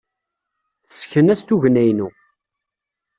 Tessken-as tugna-inu.